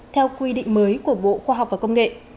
theo quy định mới của bộ khoa học và công nghệ